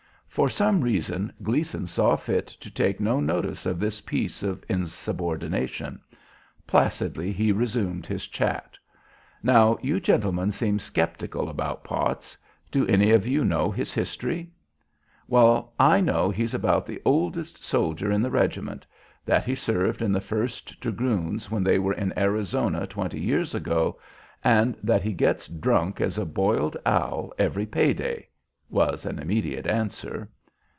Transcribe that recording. For some reason Gleason saw fit to take no notice of this piece of insubordination. Placidly he resumed his chat, "Now, you gentlemen seem skeptical about Potts. Do any of you know his history?" "Well, I know he's about the oldest soldier in the regiment; that he served in the First Dragoons when they were in Arizona twenty years ago, and that he gets drunk as a boiled owl every pay day," was an immediate answer.